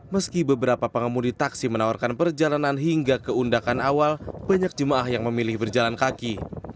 meski beberapa pengemudi taksi menawarkan perjalanan hingga ke undakan awal banyak jemaah yang memilih berjalan kaki